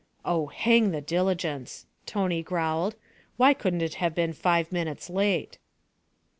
'Oh, hang the diligence!' Tony growled. 'Why couldn't it have been five minutes late?'